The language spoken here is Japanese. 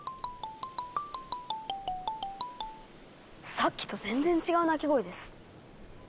さっきと全然違う鳴き声です。